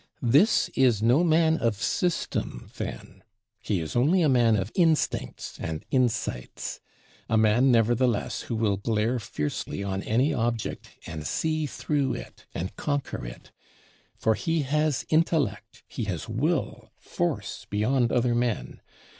This is no man of system, then; he is only a man of instincts and insights. A man, nevertheless, who will glare fiercely on any object, and see through it, and conquer it: for he has intellect, he has will, force beyond other men.